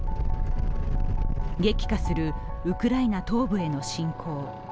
激化するウクライナ東部への侵攻。